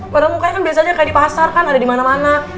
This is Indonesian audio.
padahal mukanya kan biasanya kayak di pasar kan ada dimana mana